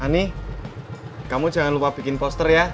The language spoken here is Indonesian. ini kamu jangan lupa bikin poster ya